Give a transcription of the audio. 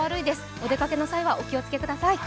お出かけの際はお気をつけください。